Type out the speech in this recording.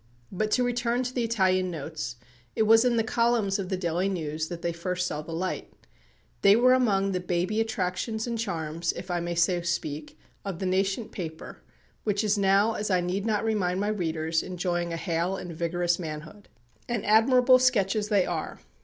But to return to the Italian Notes: it was in the columns of The Daily News that they first saw the light. They were among the baby attractions and charms, if I may so speak, of the nascent paper, which is now, as I need not remind my readers, enjoying a hale and vigorous manhood. And admirable sketches they are.